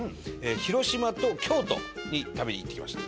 広島と京都に旅に行ってきました。